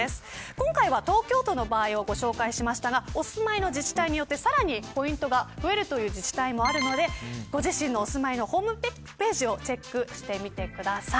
今回は東京都の場合をご紹介しましたがお住まいの自治体によってさらにポイントが増えるという自治体もあるのでご自身のお住まいのホームページをチェックしてみてください。